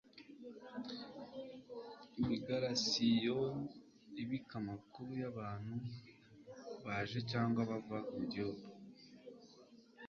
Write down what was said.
imigarasiyo ibika amakuru y'abantu baje cyangwa bava mu gihugu